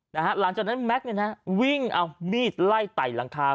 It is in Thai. หลังจากนั้นแม็กซ์เนี่ยนะฮะวิ่งเอามีดไล่ไต่หลังคา